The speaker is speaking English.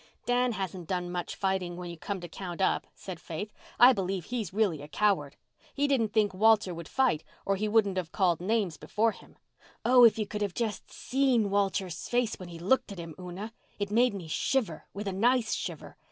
"Dan hasn't done much fighting when you come to count up," said Faith. "I believe he's really a coward. He didn't think Walter would fight, or he wouldn't have called names before him. Oh, if you could just have seen Walter's face when he looked at him, Una! It made me shiver—with a nice shiver.